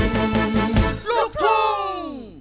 มูลค่า๕๐๐๐บาท